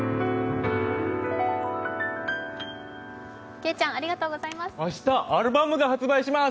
けいちゃん、ありがとうございます。